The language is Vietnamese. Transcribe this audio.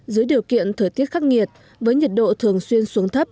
dưới điều kiện thời tiết khắc nghiệt với nhiệt độ thường xuyên xuống thấp